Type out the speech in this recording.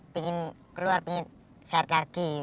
pengen keluar pengen sehat lagi